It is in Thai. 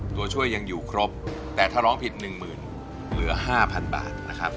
ตัวช่วยยังอยู่ครบแต่ถ้าล้องผิดหนึ่งหมื่นเหลือห้าพันบาทนะครับ